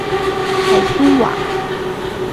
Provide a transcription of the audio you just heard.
凯苏瓦。